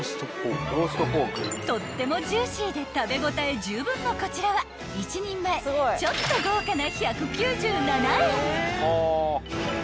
［とってもジューシーで食べ応えじゅうぶんのこちらはちょっと豪華な］